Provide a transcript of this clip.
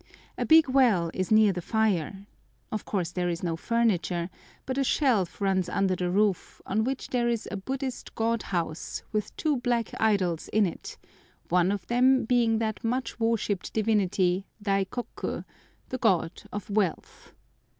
A big well is near the fire. Of course there is no furniture; but a shelf runs under the roof, on which there is a Buddhist god house, with two black idols in it, one of them being that much worshipped divinity, Daikoku, the god of wealth.